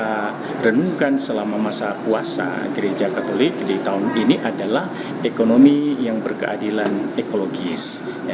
kita renungkan selama masa puasa gereja katolik di tahun ini adalah ekonomi yang berkeadilan ekologis